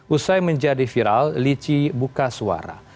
usai menjadi viral lici buka suara